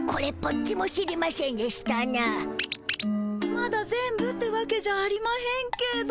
まだ全部ってわけじゃありまへんけど。